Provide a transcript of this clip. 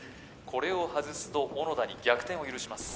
これを外すと小野田に逆転を許します